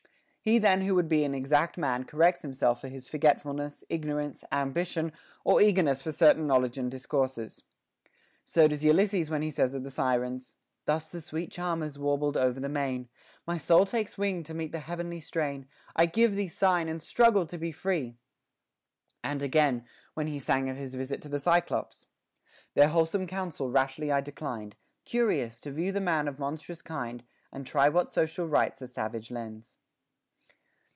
He then who would be an exact man corrects himself for his forgetfulness, ignorance, am bition, or eagerness for certain knowledge and discourses. So does Ulysses when he says of the Sirens. Thus the sweet charmers warbled o'er the main , My soul takes wing to meet the heavenly strain j I give the sign, and struggle to be free ; and again, when he sang of his visit to the Cyclops, Their wholesome counsel rashly I declined, Curious to view the man of monstrous kind, And try what social rites a savage lends.